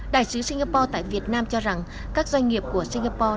đại sứ singapore tại việt nam cho rằng các doanh nghiệp của singapore